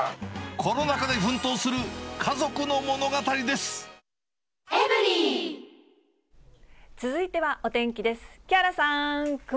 コロナ禍で奮闘する家族の物続いてはお天気です。